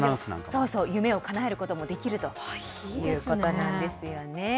そうそう、夢をかなえることもできるということなんですよね。